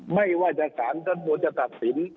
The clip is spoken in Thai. ไม่ว่าจะถามจดลงโดนจะตัดสิน